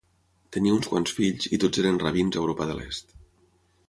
Tenia uns quants fills i tots eren rabins a Europa de l'Est.